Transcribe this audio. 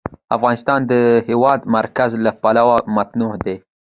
افغانستان د د هېواد مرکز له پلوه متنوع دی.